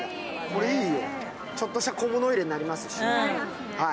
これいいよ、ちょっとした小物入れになりますし。